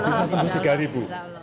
bisa tembus rp tiga